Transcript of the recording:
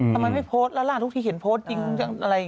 ทำไมไม่โพสต์แล้วล่ะทุกที่เห็นโพสต์จริงอะไร